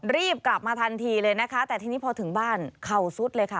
รีบกลับมาทันทีเลยนะคะแต่ทีนี้พอถึงบ้านเข่าซุดเลยค่ะ